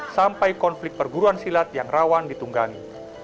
sampai konflik perguruan silat yang rawan ditunggangi